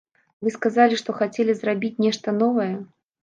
Вы сказалі, што хацелі зрабіць нешта новае.